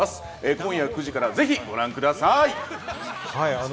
今夜９時からぜひご覧ください。